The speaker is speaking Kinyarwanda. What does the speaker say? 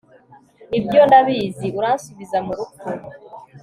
ni byo ndabizi, uransubiza mu rupfu